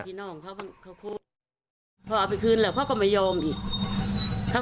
ตอนเอาเงินไปคืนนี่ไปคืนที่ไหน